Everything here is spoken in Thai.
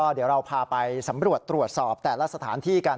เดี๋ยวเราพาไปสำรวจตรวจสอบแต่ละสถานที่กัน